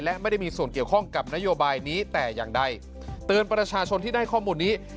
และไม่ได้มีส่วนเกี่ยวข้องกับนโยบายนี้แต่อย่างใดเตือนประชาชนที่ได้ข้อมูลนี้